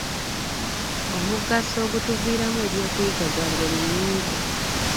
Omugaso ogutuviiramu ebyokuyiga gwa ngeri nnyingi.